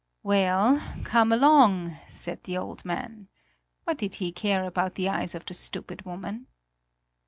"Well, come along!" said the old man. What did he care about the eyes of the stupid woman!